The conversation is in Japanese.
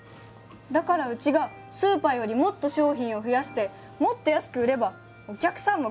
だからうちがスーパーよりもっと商品を増やしてもっと安く売ればお客さんも来るんじゃないですか。